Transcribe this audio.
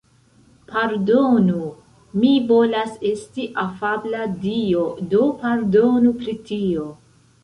Pardonu. Mi volas esti afabla dio, do, pardonu pri tio.